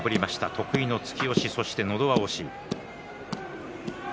得意の突き押し、のど輪押し。